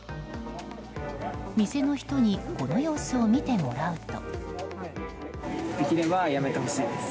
店の人にこの様子を見てもらうと。